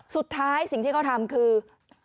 สุดท้ายสิ่งที่เขาทำคือ